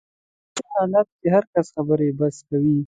په داسې حالت کې هر کس خبرې بس کوي.